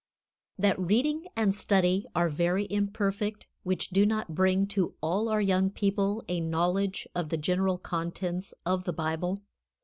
THAT reading and study are very imperfect which do not bring to all our young people a knowledge of the general contents of the Bible.